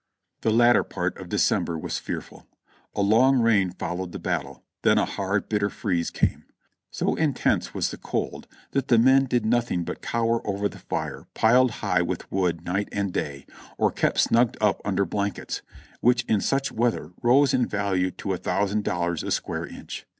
The latter part of December was fearful : a long rain followed the battle, then a hard, bitter freeze came. So intense was the cold that the men did nothing but cower over the fire piled high with wood night and day, or keep snug ged up under blankets, which in such weather rose in value to a thousand dollars a square inch.